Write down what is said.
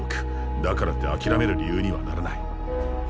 だからってあきらめる理由にはならない。